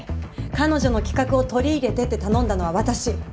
彼女の企画を取り入れてって頼んだのは私。